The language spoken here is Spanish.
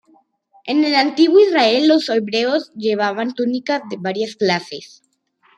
En el antiguo Israel los hebreos llevaban túnicas de varias clases.